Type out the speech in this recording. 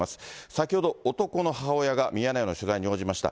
先ほど、男の母親がミヤネ屋の取材に応じました。